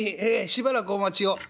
しばらくお待ちを。